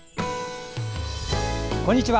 こんにちは。